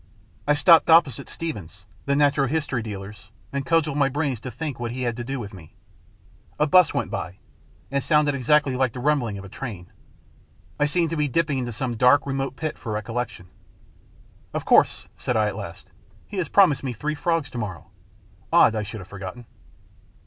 I stopped oppo site Stevens', the natural history dealer's, and cudgelled my brains to think what he had to do with me. A 'bus went by, and sounded exactly like the rumbling of a train. I seemed to be dipped into some dark, remote pit for the recollection. "Of course," said I, at last, " he has promised me three frogs to morrow. Odd I should have forgotten."